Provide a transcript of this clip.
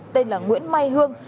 tên là nguyễn mai hương